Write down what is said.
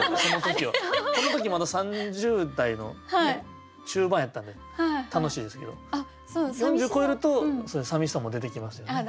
この時まだ３０代の中盤やったんで楽しいですけど４０超えるとそういう寂しさも出てきますよね。